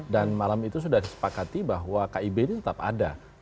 dan malam itu sudah disepakati bahwa kib ini tetap ada